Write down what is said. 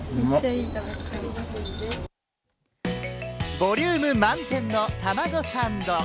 ボリューム満点のタマゴサンド。